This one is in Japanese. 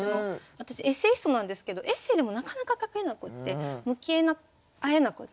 私エッセイストなんですけどエッセーでもなかなか書けなくて向き合えなくって。